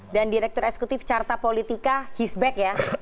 dan direktur eksekutif carta politika hisbek ya